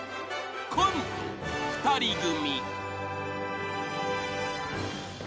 ［コント「２人組」］